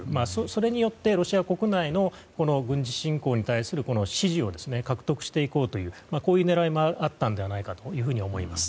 それによってロシア国内の軍事侵攻に対する支持を獲得していこうという狙いもあったのではないかと思います。